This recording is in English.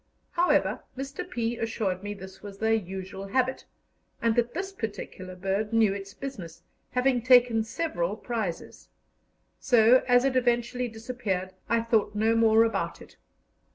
However, Mr. P. assured me this was their usual habit, and that this particular bird knew its business, having taken several prizes; so, as it eventually disappeared, I thought no more about it.